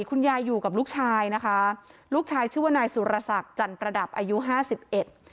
คุณยายอยู่กับลูกชายนะคะลูกชายชื่อว่านายสุรศักดิ์จันประดับอายุห้าสิบเอ็ด